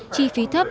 chi phí thấp